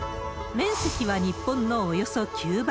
面積は日本のおよそ９倍。